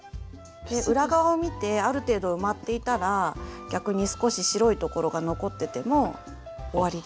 裏側を見てある程度埋まっていたら逆に少し白いところが残ってても終わりで大丈夫だと思います。